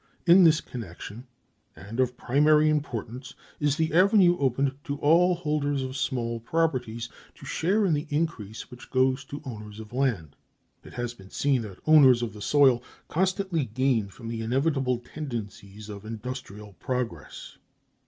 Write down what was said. In this connection, and of primary importance, is the avenue opened to all holders of small properties to share in the increase which goes to owners of land. It has been seen that owners of the soil constantly gain from the inevitable tendencies of industrial progress.